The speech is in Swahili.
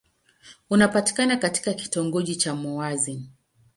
Unapatikana katika kitongoji cha Mouassine.